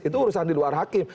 itu urusan di luar hakim